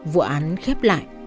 vụ án khép lại